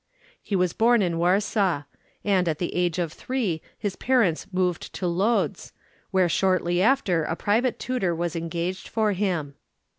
He was born in Warsaw, and, at the age of three, his parents moved to Lodz, where shortly after a private tutor was engaged for him.